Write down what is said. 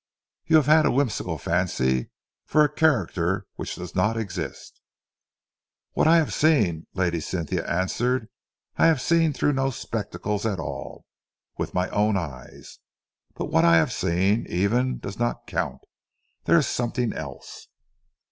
You have had a whimsical fancy for a character which does not exist." "What I have seen," Lady Cynthia answered, "I have seen through no spectacles at all with my own eyes. But what I have seen, even, does not count. There is something else."